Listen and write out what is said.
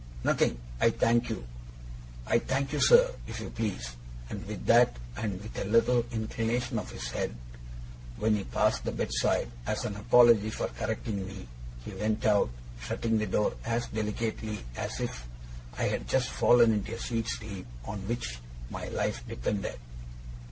'Nothing, I thank you.' 'I thank YOU, sir, if you please'; and with that, and with a little inclination of his head when he passed the bed side, as an apology for correcting me, he went out, shutting the door as delicately as if I had just fallen into a sweet sleep on which my life depended.